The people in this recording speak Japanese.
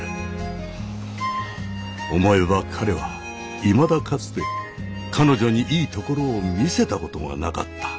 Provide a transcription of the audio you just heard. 思えば彼はいまだかつて彼女にいいところを見せたことがなかった。